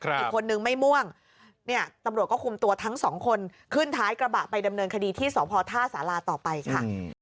อีกคนนึงไม่ม่วงเนี่ยตำรวจก็คุมตัวทั้งสองคนขึ้นท้ายกระบะไปดำเนินคดีที่สพท่าสาราต่อไปค่ะ